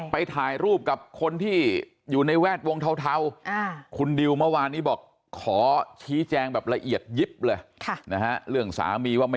ไปถ่ายรูปกับคนที่อยู่ในแวดวงเทา